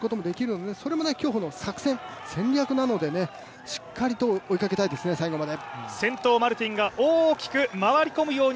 そうすると歩型違反を誘発させることもできるのでそれも競歩の作戦・戦略なのでしっかりと追いかけたいですね最後まで。